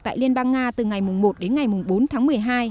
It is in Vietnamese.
tại liên bang nga từ ngày một đến ngày bốn tháng một mươi hai